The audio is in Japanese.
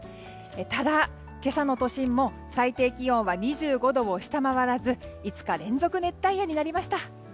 ただ、今朝の都心も最低気温は２５度を下回らず５日連続の熱帯夜になりました。